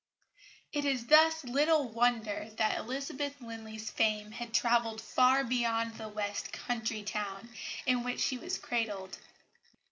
It is thus little wonder that Elizabeth Linley's fame had travelled far beyond the West Country town in which she was cradled.